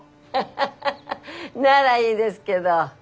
ハハハハならいいですけど。